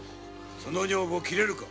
その女房切れるか！